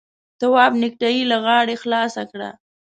تواب نېکټايي له غاړې خلاصه کړه.